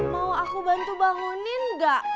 mau aku bantu bangunin gak